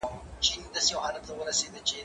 زه به قلم استعمالوم کړی وي